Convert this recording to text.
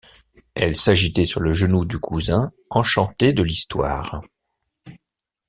Elle s’agitait sur le genou du cousin, enchantée de l’histoire.